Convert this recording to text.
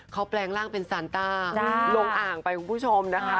เขาแปลงร่างเป็นซานต้าลงอ่างไปคุณผู้ชมนะคะ